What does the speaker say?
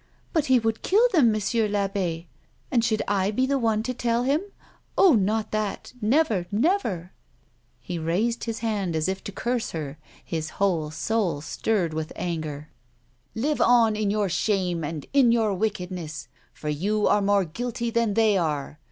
" But he would kill them, Monsieur I'abbe ! And should I be the one to tell him '? Oh, not that ! Never, never !" He raised his hand as if to curse her, his whole soul stirred with anger. " Live on in your shame and in your wickedness, for yon are more guilty than they are.